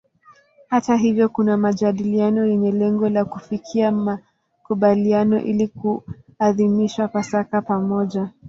Hata hivyo kuna majadiliano yenye lengo la kufikia makubaliano ili kuadhimisha Pasaka pamoja.